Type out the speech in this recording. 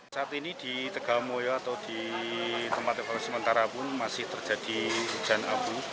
saat ini di tegamoyo atau di tempat evaluasi sementara pun masih terjadi hujan abu